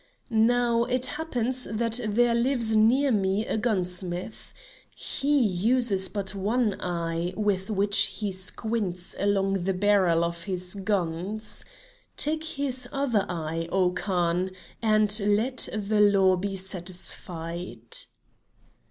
Now it happens that there lives near me a gunsmith. He uses but one eye with which he squints along the barrel of his guns. Take his other eye, oh Khan, and let the law be satisfied."